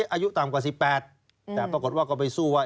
อายุต่ำกว่า๑๘แต่ปรากฏว่าก็ไปสู้ว่า